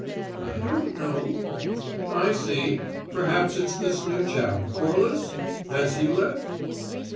"I don't know." "I see. Perhaps it's this new chap, Corliss? Has he left?"